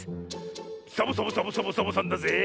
サボサボサボサボサボさんだぜえ！